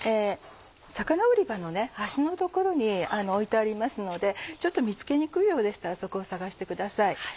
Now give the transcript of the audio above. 魚売り場の端の所に置いてありますのでちょっと見つけにくいようでしたらそこを探してください。